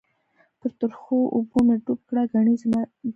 په ترخو اوبو می ډوب کړه، گڼی زماجاله ډوبیږی